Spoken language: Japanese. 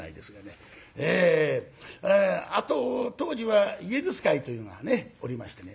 あと当時はイエズス会というのがねおりましてね。